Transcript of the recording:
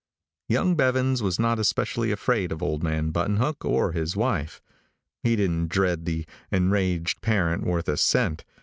Young Bevans was not specially afraid of old man Buttonhook, or his wife. He didn't dread the enraged parent worth a cent.